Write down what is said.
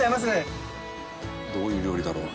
どういう料理だろう？